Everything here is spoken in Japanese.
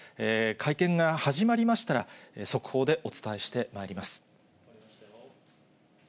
会見が始まりましたら、速報でお伝えしてまいります。